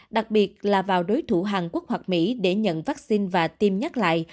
đặc biệt là vào đối thủ hàn quốc hoặc mỹ để nhận vaccine và tiêm nhắc lại